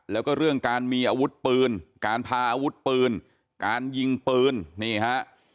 แล้วก็เรื่องการมีอาวุธปืนการพาอาวุธปืนการยิงปืนนี่ฮะ